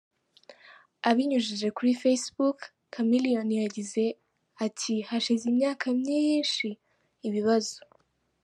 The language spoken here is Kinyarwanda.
Abinyujije kuri facebook ,Chameleone yagize ati, Hashize imyaka myiiiiiinshi, ibibazo.